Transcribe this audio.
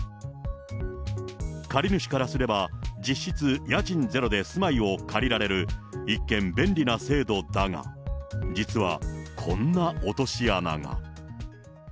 借り主からすれば、実質、家賃ゼロで住まいを借りられる、一見便利な制度だが、実はこんな落とし穴が。